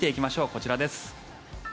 こちらです。